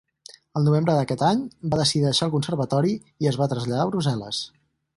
Al novembre d'aquest any, va decidir deixar el conservatori i es va traslladar a Brussel·les.